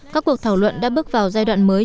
các cuộc thảo luận đã bước vào giai đoạn mới